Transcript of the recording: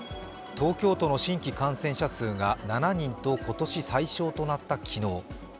東京都の新規感染者数が７人と今年最少となった昨日。